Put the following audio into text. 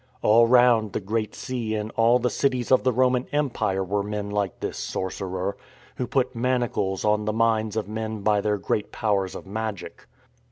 All round the Great Sea in all the cities of the Roman Empire were men like this sorcerer, who put manacles on the minds of men by their great powers of magic.